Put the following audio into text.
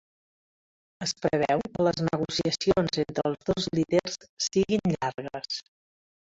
Es preveu que les negociacions entre els dos líders siguin llargues